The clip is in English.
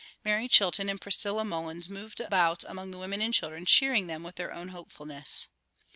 Mary Chilton and Priscilla Mullins moved about among the women and children, cheering them with their own hopefulness.